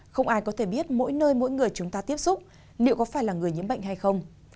không ai có thể biết mỗi nơi mỗi người chúng ta tiếp xúc liệu có phải là người nhiễm bệnh hay không